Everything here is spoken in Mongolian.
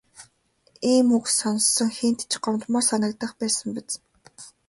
Ийм үг сонссон хэнд ч гомдмоор санагдах байсан биз.